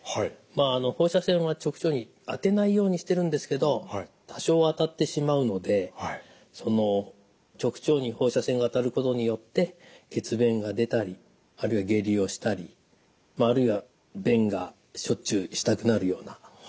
放射線は直腸に当てないようにしてるんですけど多少当たってしまうので直腸に放射線が当たることによって血便が出たりあるいは下痢をしたりあるいは便がしょっちゅうしたくなるようなことが起きます。